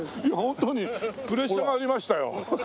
いやホントにプレッシャーがありましたよ。